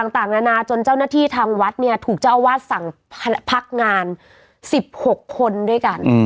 ต่างนานาจนเจ้าหน้าที่ทางวัดเนี่ยถูกเจ้าอาวาสสั่งพักงาน๑๖คนด้วยกัน